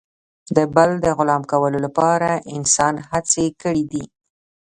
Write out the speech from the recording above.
د بل د غلام کولو لپاره انسان هڅې کړي دي.